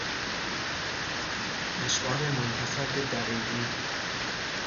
اشعار منتسب به دقیقی